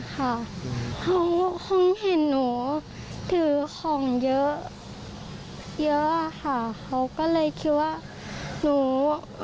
เขาคงเห็นนวงถือของเยอะค่ะเขาก็เลยคิดว่าหนู